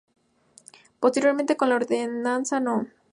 Posteriormente con la Ordenanza No.